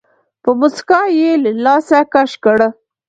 په موسکا يې له لاسه کش کړ.